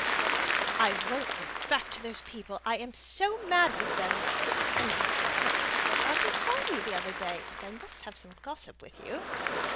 "I won't go back to those people, I am so mad with them; and, besides, I hardly saw you the other day, and I must have some gossip with you."